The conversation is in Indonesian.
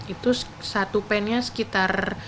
itu satu pennya sekitar